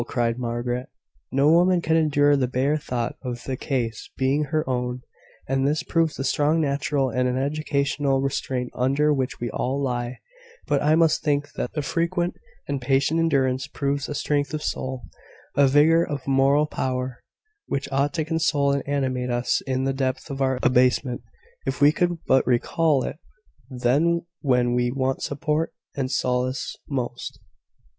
cried Margaret. "No woman can endure the bare thought of the case being her own; and this proves the strong natural and educational restraint under which we all lie: but I must think that the frequent and patient endurance proves a strength of soul, a vigour of moral power, which ought to console and animate us in the depth of our abasement, if we could but recall it then when we want support and solace most."